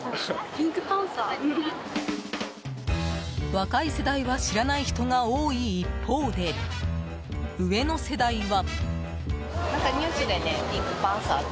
若い世代は知らない人が多い一方で上の世代は。